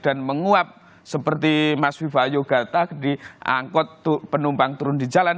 dan menguap seperti mas viva yogata diangkut penumpang turun di jalan